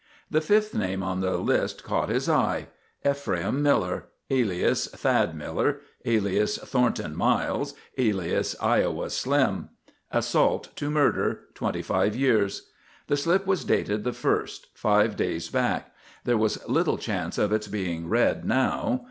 The fifth name on the list caught his eye: Ephraim Miller, alias Thad Miller, alias Thornton Miles, alias Iowa Slim; assault to murder; twenty five years. The slip was dated the first five days back. There was little chance of its being read now.